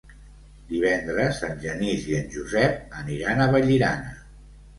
Divendres en Genís i en Josep aniran a Vallirana.